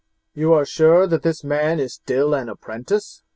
"You are sure that this man is still an apprentice?"